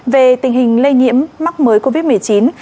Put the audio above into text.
về tình hình lây nhiễm mắc mới covid một mươi chín